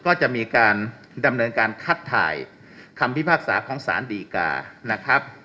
ก็จะมีการดำเนินการคัดถ่ายคำพิพากษาของสารดีกานะครับ